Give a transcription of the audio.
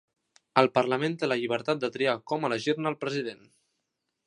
El Parlament té la llibertat de triar com elegir-ne el president.